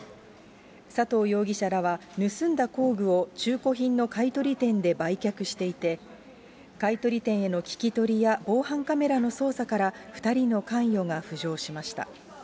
佐藤容疑者らは、盗んだ工具を中古品の買い取り店で売却していて、買い取り店への聞き取りや防犯カメラの捜査から２人の関与が浮上しました。